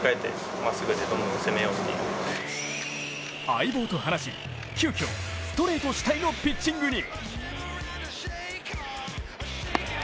相棒と話し、急きょストレート主体のピッチングに。